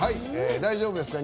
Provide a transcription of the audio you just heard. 大丈夫ですか？